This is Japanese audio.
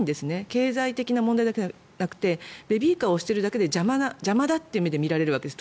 経済的な問題だけじゃなくてベビーカーを押しているだけで邪魔だという目で見られるわけです。